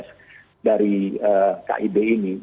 siapa capres dari kib ini